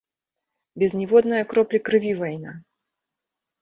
Без ніводнае кроплі крыві вайна!